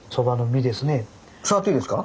触っていいですか？